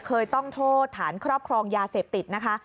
เคยต้องโทษฐานครอบครองยาเสพติดนะคะ